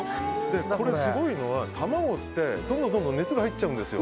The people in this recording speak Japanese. これすごいのは卵ってどんどん熱が入っちゃうんですよ。